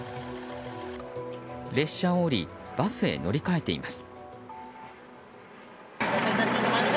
列車を降りバスへ乗り換えています。